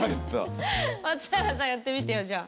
松永さんやってみてよじゃあ。